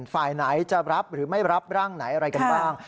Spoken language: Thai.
ฝ่ายไหนจะรับหรือไม่รับร่างไหนอะไรกันบ้าง